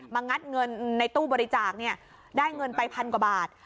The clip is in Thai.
งัดเงินในตู้บริจาคได้เงินไปพันกว่าบาท